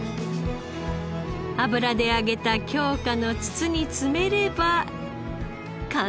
油で揚げた京香の筒に詰めれば完成です。